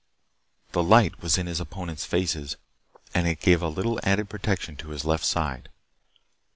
The light was in his opponents' faces, and it gave a little added protection to his left side.